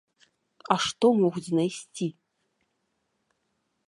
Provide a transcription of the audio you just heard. А што могуць знайсці?!.